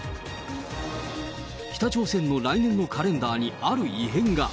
北朝鮮の来年のカレンダーにある異変が。